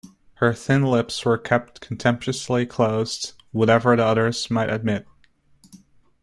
Her thin lips were kept contemptuously closed, whatever the others might admit.